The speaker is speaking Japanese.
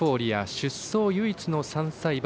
出走唯一の３歳馬。